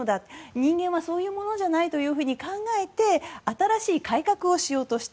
人間はそういうものじゃないと考えて新しい改革をしようとした。